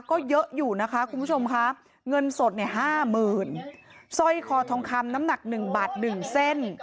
ก็เยอะอยู่นะคะคุณผู้ชมค่ะเงินสดเนี่ยห้าหมื่นสร้อยคอทองคำน้ำหนักหนึ่งบาทหนึ่งเส้น